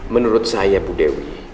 menurut saya bu dewi